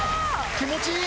気持ちいい！